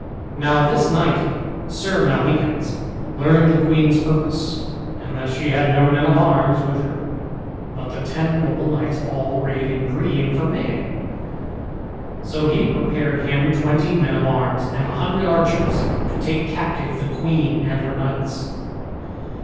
Now this knight, Sir Maleagans, learned the queen's purpose, and that she had no men of arms with her but the ten noble knights all arrayed in green for maying; so he prepared him twenty men of arms, and a hundred archers, to take captive the queen and her knights.